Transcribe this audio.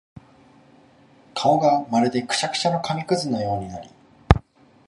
顔がまるでくしゃくしゃの紙屑のようになり、